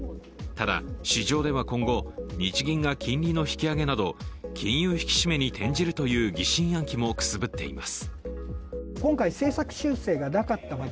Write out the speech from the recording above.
ただ、市場では今後、日銀が金利の引き上げなど金融引き締めに転じるという疑心暗鬼もくすぶっています。